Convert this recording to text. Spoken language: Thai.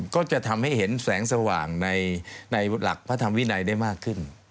ก็จะทำให้เห็นแสงสว่างในหลักพระธรรมวินัยได้มากขึ้น